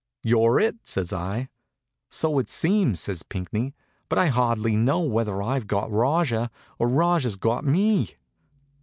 "You're it," says I. "So it seems," says Pinckney. "But I hardly know whether I've got Rajah or Rajah's got me."